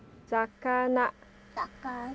魚。